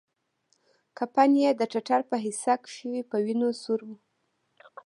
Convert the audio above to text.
کفن يې د ټټر په حصه کښې په وينو سور و.